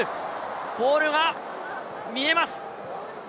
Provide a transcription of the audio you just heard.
ボールが見えます。